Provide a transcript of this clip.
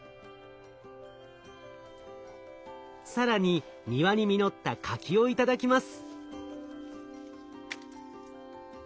更に庭に実った柿を頂きます。